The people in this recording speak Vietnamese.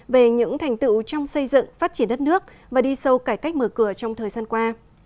về những thành tựu trong xây dựng phát triển đất nước và đi sâu cải cách mở cửa trong thời gian qua